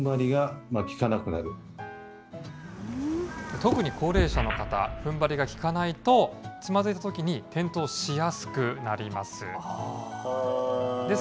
特に高齢者の方、ふんばりが利かないと、つまずいたときに転倒しやすくなります。